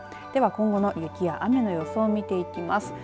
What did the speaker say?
では、今後の雪や雨の予想を見ていきます。